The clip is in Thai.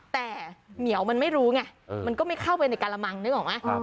แต่เหมียวมันไม่รู้ไงมันก็ไม่เข้าไปในกระมังนึกออกไหม